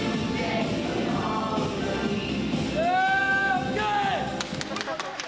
ＯＫ！